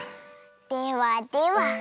ではでは。